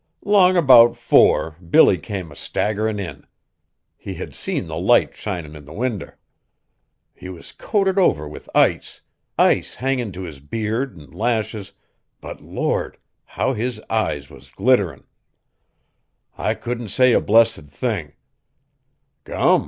'Long 'bout four, Billy came a staggerin' in. He had seen the light shinin' in the winder. He was coated over with ice, ice hangin' to his beard an' lashes, but Lord, how his eyes was glitterin'! I couldn't say a blessed thin'. Gum!